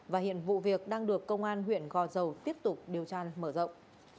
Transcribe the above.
và hiện vụ việc đang được công an huyện gò dầu tiếp tục điều tra mở rộng